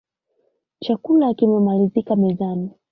Chakula kimemalizika mezani